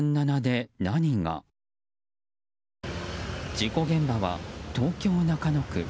事故現場は東京・中野区。